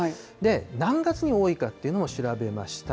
何月に多いかっていうのを調べました。